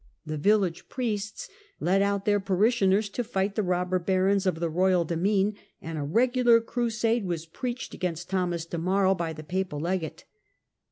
The village priests led out their parishioners to fight the robber barons of the royal demesne, and a regular crusade was preached against Thomas de Marie by the papal legate.